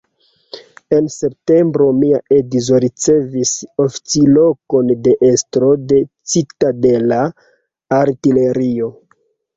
En septembro mia edzo ricevis oficlokon de estro de citadela artilerio.